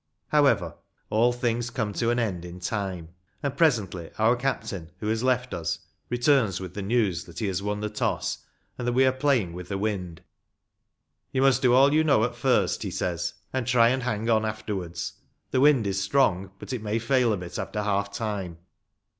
However, all things come to an end in time, and presently our captain, who has left us, returns with the news that he has won the toss, and that we are playing with the wind. " You must do all you know at first," he says, " and try and hang on afterwards. The wind is strong, but it may fail a bit after half time."